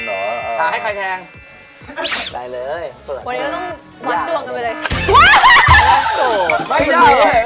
ต้องให้ผมจริงแล้วทำโทษเอ้ยคุณเนี่ย